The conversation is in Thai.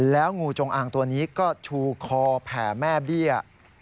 แล้วงูจงอางตัวนี้ก็ชูคอแผ่แม่เบี้ย